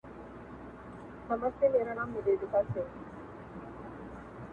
لږه توده سومه زه.